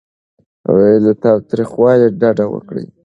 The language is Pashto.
له تاوتریخوالي ډډه وکړئ.